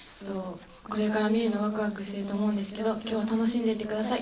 これから見るのわくわくしてると思うんですけど、きょうは楽しんでいってください。